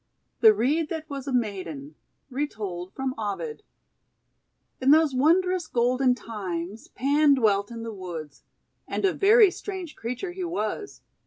THE REED THAT WAS A MAIDEN Retold from Ovid IN those wondrous golden times, Pan dwelt in the woods. And a very strange creature he was.